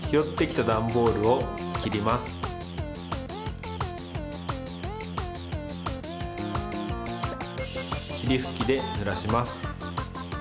きりふきでぬらします。